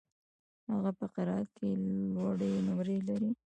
هغه په قرائت کي لوړي نمرې لري.